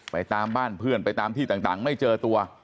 ตามบ้านเพื่อนไปตามที่ต่างไม่เจอตัว